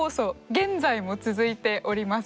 現在も続いております。